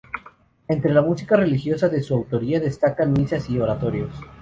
Entre la música religiosa de su autoría destacan misas y oratorios.